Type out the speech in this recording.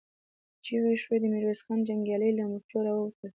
چيغې شوې، د ميرويس خان جنګيالي له مورچو را ووتل.